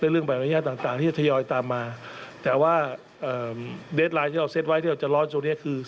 เรื่องใบอนุญาตต่างต่างที่จะทยอยตามมาแต่ว่าเดสไลน์ที่เราเซ็ตไว้ที่เราจะร้อนตรงนี้คือ